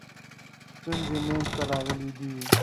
ستونزې منځته راغلي دي.